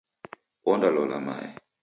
Onda lola mae.